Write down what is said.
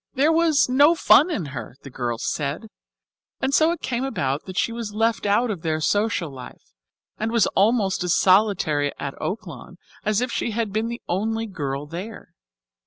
There was "no fun in her," the girls said, and so it came about that she was left out of their social life, and was almost as solitary at Oaklawn as if she had been the only girl there.